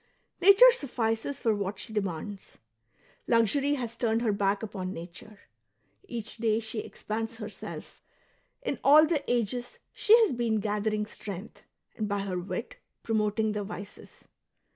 Nature suffices for what she demands. Luxury has turned her back upon nature ; each day she expands herself, in all the ages she' has been gathering strength^ and by her wit promoting the vices.